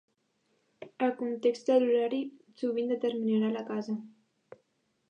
El context de l'horari sovint determinarà la casa.